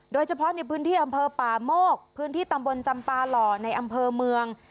โดยเฉพาะในพื้นที่อำเภอป่าโมกพื้นที่ตำบลจำปาหล่อในอำเภอเมือง